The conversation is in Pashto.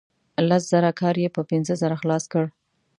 لس زره کار یې په پنځه زره خلاص کړ.